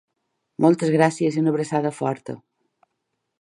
Moltes gràcies i una abraçada forta.